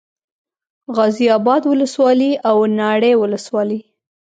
غازي اباد ولسوالي او ناړۍ ولسوالي